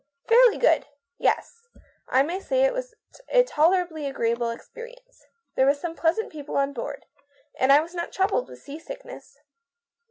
" Fairly good. Yes. I may say it was a tolerably agreeable experience. There were some pleasant people on board. And I was not troubled with seasickness."